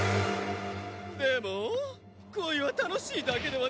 でも恋は楽しいだけではないレンアイ。